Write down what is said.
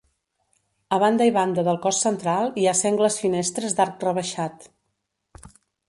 A banda i banda del cos central hi ha sengles finestres d'arc rebaixat.